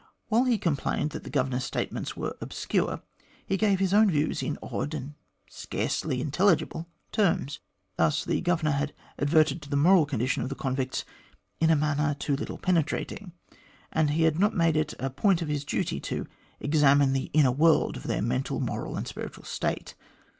While he complained that the Governor's statements were obscure, he gave his own views in odd and scarcely intelligible terms. Thus, the Governor had adverted to the moral condition of the convicts ' in a manner too little penetrating,' and he had not made it a point of his duty ' to examine the inner world of their mental, moral, and spiritual state.'